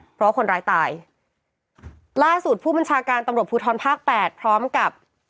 เพราะคนร้ายตายล่าสุดผู้บัญชาการตำรวจภูทรภาคแปดพร้อมกับ